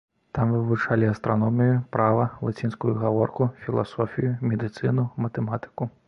Там вывучалі астраномію, права, лацінскую гаворку, філасофію, медыцыну, матэматыку.